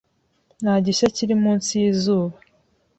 Nta gishya kiri munsi yizuba.